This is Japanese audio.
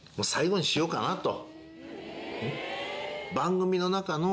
１人の。にしようかなと。